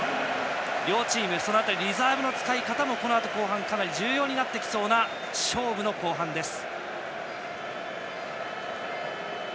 両チーム、その辺りリザーブの使い方もこのあとかなり重要になってきそうな勝負の後半です。